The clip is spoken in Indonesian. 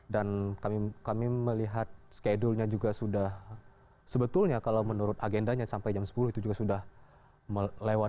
dan kami melihat schedule nya juga sudah sebetulnya kalau menurut agendanya sampai jam sepuluh itu juga sudah melewat